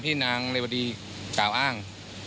นางเรวดีกล่าวอ้าง